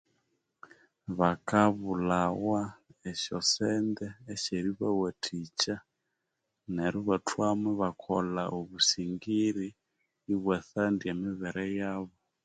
Bakabulhawa esyosente esyeribawathikya neru ibathwamo ibakolha obusingiri ibwatsandya emibere yabo